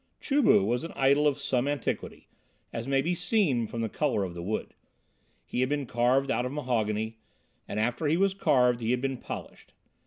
Chu bu was an idol of some antiquity, as may be seen from the colour of the wood. He had been carved out of mahogany, and after he was carved he had been polished.